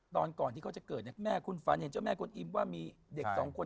ตอนก่อนที่เขาจะเกิดเนี่ยแม่คุณฝันเห็นเจ้าแม่กวนอิมว่ามีเด็กสองคน